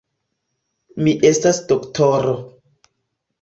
Mi estas doktoro.